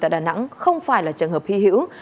tại đà nẵng không phải là trường hợp hy hữu